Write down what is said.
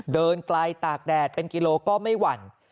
เดินไกลตากแดดเป็นกิโลก็ไม่หวั่น